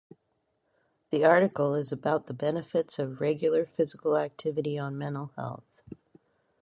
The article is about the benefits of regular physical activity on mental health.